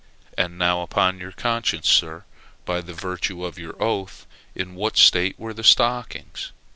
"And now, upon your conscience, sir, by the virtue of your oath, in what state were the stockings?"